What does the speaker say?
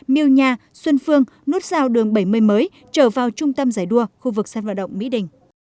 miêu nha xuân phương nút sao đường bảy mươi mới trở vào trung tâm giải đua khu vực sân vận động mỹ đình